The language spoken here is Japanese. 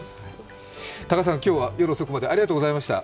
今日は夜遅くまでありがとうございました。